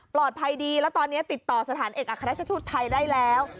ปลอดภัยดีแล้วตอนนี้ติดต่อสถานเอกอาคารชะทุทธิ์ไทยได้แล้ว